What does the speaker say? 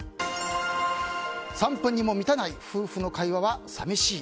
３分にも満たない夫婦の会話は寂しい。